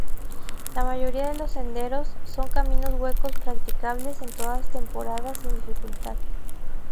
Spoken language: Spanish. La mayoría de los senderos son caminos huecos practicables en todas temporadas sin dificultad.